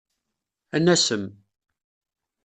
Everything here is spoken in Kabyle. Ad nasem.